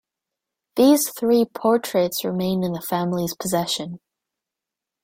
These three portraits remain in the family's possession.